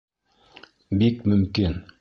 Бик мөмкин.